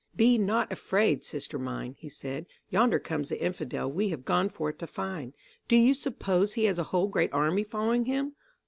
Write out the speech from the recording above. "Be not afraid, sister mine," he said. "Yonder comes the Infidel we have gone forth to find. Do you suppose he has a whole great army following him?